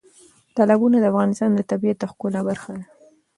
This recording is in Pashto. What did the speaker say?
تالابونه د افغانستان د طبیعت د ښکلا برخه ده.